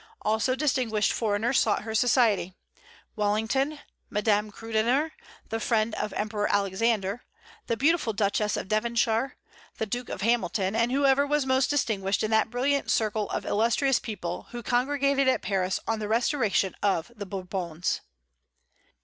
Also distinguished foreigners sought her society, Wellington, Madame Krüdener, the friend of the Emperor Alexander, the beautiful Duchess of Devonshire, the Duke of Hamilton, and whoever was most distinguished in that brilliant circle of illustrious people who congregated at Paris on the restoration of the Bourbons.